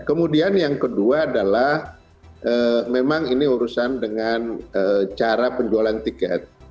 kemudian yang kedua adalah memang ini urusan dengan cara penjualan tiket